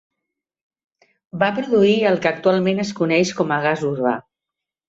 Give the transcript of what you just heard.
Va produir el que actualment es coneix com a gas urbà.